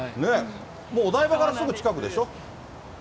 もうお台場からすぐ近くでしょ？